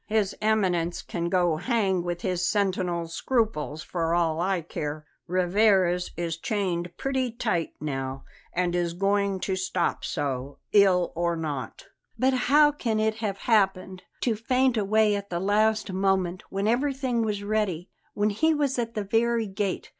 "His Eminence can go hang with his sentimental scruples for all I care. Rivarez is chained pretty tight now, and is going to stop so, ill or not." "But how can it have happened? To faint away at the last moment, when everything was ready; when he was at the very gate!